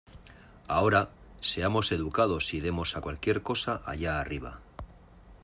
Ahora, seamos educados y demos a cualquier cosa allá arriba...